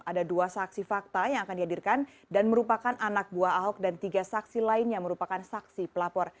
ada dua saksi fakta yang akan dihadirkan dan merupakan anak buah ahok dan tiga saksi lainnya merupakan saksi pelapor